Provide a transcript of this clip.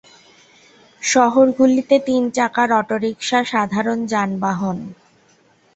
শহরগুলিতে তিন চাকার অটোরিক্সা সাধারণ যানবাহন।